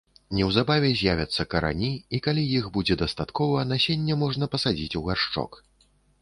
Неўзабаве з'явяцца карані, і калі іх будзе дастаткова, насенне можна пасадзіць у гаршчок.